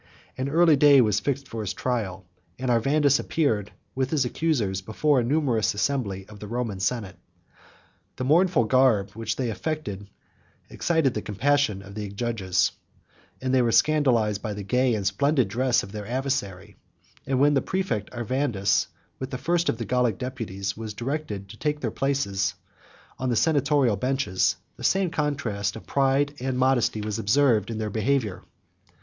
An early day was fixed for his trial; and Arvandus appeared, with his accusers, before a numerous assembly of the Roman senate. The mournful garb which they affected, excited the compassion of the judges, who were scandalized by the gay and splendid dress of their adversary: and when the præfect Arvandus, with the first of the Gallic deputies, were directed to take their places on the senatorial benches, the same contrast of pride and modesty was observed in their behavior.